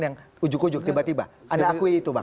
yang ujuk ujuk tiba tiba anda akui itu bang